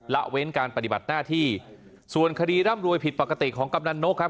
ละเว้นการปฏิบัติหน้าที่ส่วนคดีร่ำรวยผิดปกติของกำนันนกครับ